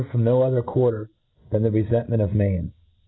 179 gcr form no other quarter than the xefentment of man.